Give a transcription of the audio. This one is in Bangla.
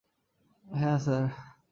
হ্যা, স্যার!